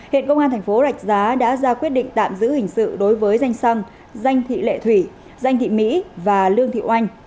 hiện công an thành phố rạch giá đã ra quyết định tạm giữ hình sự đối với danh xăng danh thị lệ thủy danh thị mỹ và lương thị oanh